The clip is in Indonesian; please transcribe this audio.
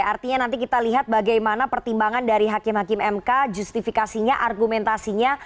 artinya nanti kita lihat bagaimana pertimbangan dari hakim hakim mk justifikasinya argumentasinya